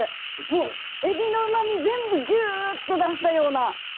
もうエビのうま味全部ぎゅって出したような。